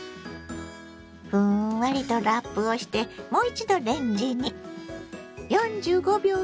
ふんわりとラップをしてもう一度レンジに。